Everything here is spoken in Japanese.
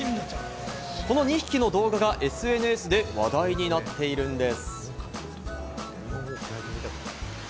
この２匹の動画がＳＮＳで話題になっているんです。